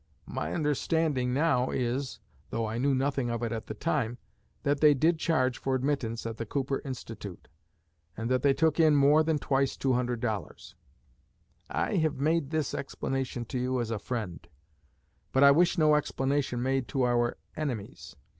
My understanding now is though I knew nothing of it at the time that they did charge for admittance at the Cooper Institute, and that they took in more than twice $200. I have made this explanation to you as a friend; but I wish no explanation made to our enemies.